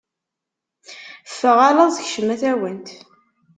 Ffeɣ a laẓ, kcem a tawant!